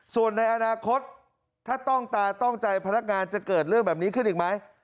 ส่วนในอนาคตถ้าต้องตาต้องใจพนักงานจะเกิดเรื่องแบบนี้ขึ้นอีกไหม